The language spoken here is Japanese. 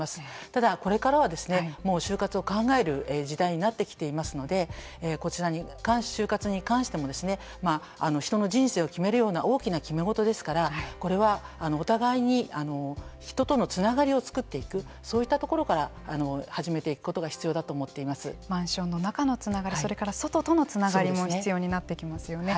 ただ、これからはもう終活を考える時代になってきていますので終活に関しても人の人生を決めるような大きな決め事ですからこれはお互いに人とのつながりを作っていくそういったところから始めていくことがマンションの中のつながりそれから外とのつながりも必要になってきますよね。